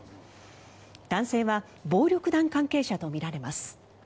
男性は暴力団関係者とみられます。